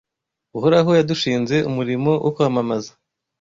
Uhoraho yadushinze umurimo wo kwamamaza